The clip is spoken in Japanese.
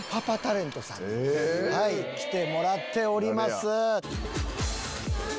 来てもらっております。